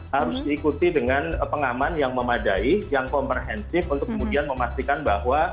harus diikuti dengan pengaman yang memadai yang komprehensif untuk kemudian memastikan bahwa